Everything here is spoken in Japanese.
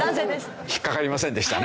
引っかかりませんでしたね。